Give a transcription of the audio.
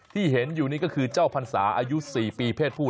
ที่เห็นอยู่นี่ก็คือเจ้าพรรษาอายุ๔ปีเพศผู้